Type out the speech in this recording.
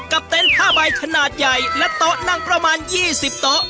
เต็นต์ผ้าใบขนาดใหญ่และโต๊ะนั่งประมาณ๒๐โต๊ะ